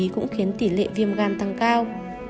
cũng khiến tỉ lệ viêm gan tăng cao